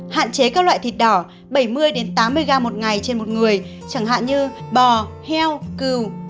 hạn chế các loại thịt đỏ bảy mươi tám mươi gram một ngày trên một người chẳng hạn như bò heo cừu